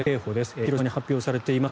広島に発表されています。